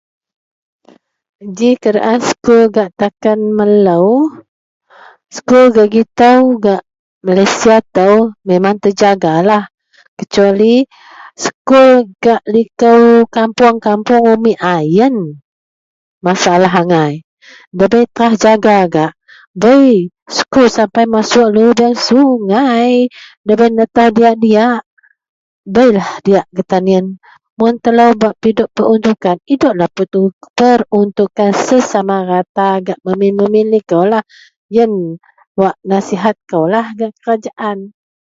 Ji keadaan sekul gak takan melou, sekul gak gitou, gak Malaysia tou memang terjagalah kecuali sekul gak likou kapuong-kapuong umik, a yen masalah angai. Ndabei terah jaga gak. Bei sekul sapai masuok lubeang sungai ndabei netoh diyak-diyak. Beilah diyak getan yen. Mun telou bak pidok tuu peruntukan, idoklah peruntukan sesame rata gak memin-memin likoulah. Yenlah wak nasihat koulah gak kerajaan.